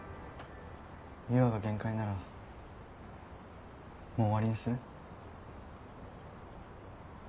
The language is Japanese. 優愛が限界ならもう終わりにする？